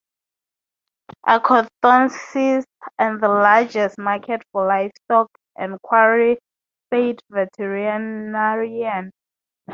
Acanthosis, and the largest market for livestock and quarry state veterinarian.